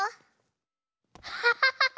ハハハハハ！